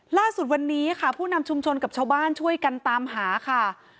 ล่าสุดวันนี้ค่ะผู้นำชุมชนกับชาวบ้านช่วยกันตามหาค่ะ